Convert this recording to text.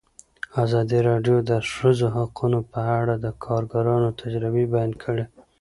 ازادي راډیو د د ښځو حقونه په اړه د کارګرانو تجربې بیان کړي.